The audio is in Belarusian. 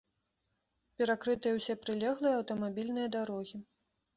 Перакрытыя ўсе прылеглыя аўтамабільныя дарогі.